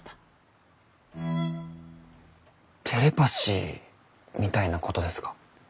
テレパシーみたいなことですか？